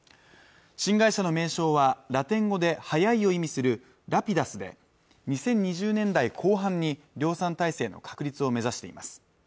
新会社の名称はラテン語で速いを意味するＲａｐｉｄｕｓで２０２０年代後半に量産体制の確立を目指しています